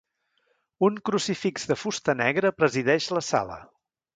Un crucifix de fusta negra presideix la sala.